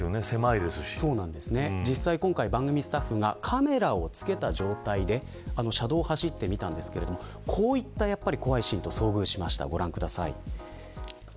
実際、番組スタッフがカメラを付けた状態で車道を走ってみたのですがこういった怖いシーンと遭遇したのでご覧ください。